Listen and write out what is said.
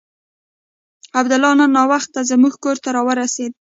عبدالله نن ناوخته زموږ کور ته راورسېد.